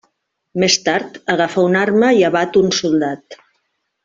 Més tard, agafa una arma i abat un soldat.